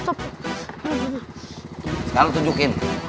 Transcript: sekarang lu tunjukin